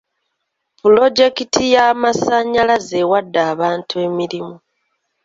Pulojekiti y'amasannyalaze ewadde abantu emirimu.